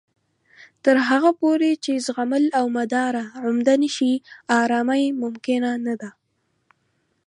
تر هغه پورې چې زغمل او مدارا عمده نه شي، ارامۍ ممکنه نه ده